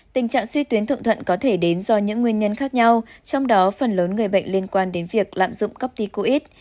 tình trạng suy tuyến thượng thận có thể đến do những nguyên nhân khác nhau trong đó phần lớn người bệnh liên quan đến việc lạm dụng corpticoid